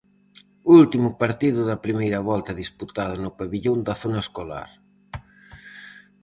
Último partido da primeira volta disputado no pavillón da zona escolar.